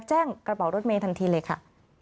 กระเป๋ารถเมทันทีเลยค่ะ